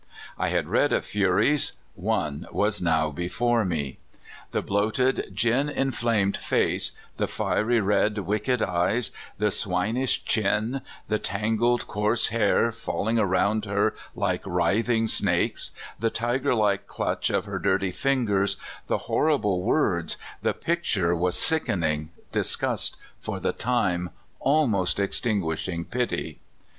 I had read of furies — one was now before me. The bloated, gin inflamed face, the fiery red, wicked eyes, the swinish chin, the tangled, coarse hair falling around her like writhing snakes, the tigerlike clutch of her dirty fingers, the horrible words — the picture was sickening, disgust for the time almost extinguishing pity.